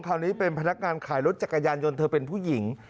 คราวนี้เป็นพนักงานขายรถจักรยานยนต์เธอเป็นผู้หญิง